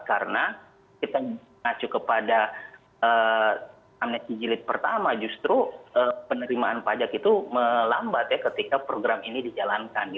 karena kita berkacu kepada amnesti jilid pertama justru penerimaan pajak itu melambat ya ketika program ini dijalankan